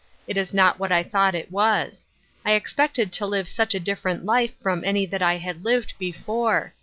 It is not what I thought it was. I ex pected to live such a different life from any that I had lived before.